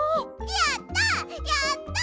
やったやった！